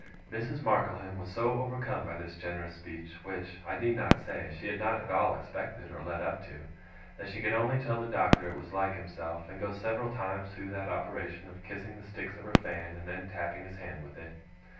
Mrs. Markleham was so overcome by this generous speech which, I need not say, she had not at all expected or led up to that she could only tell the Doctor it was like himself, and go several times through that operation of kissing the sticks of her fan, and then tapping his hand with it.